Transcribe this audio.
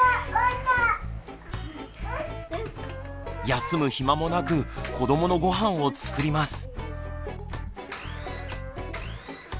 休む暇もなく子どものごはんを作ります。